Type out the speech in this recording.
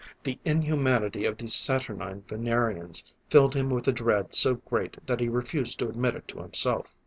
The inhumanity of these saturnine Venerians filled him with a dread so great that he refused to admit it to himself.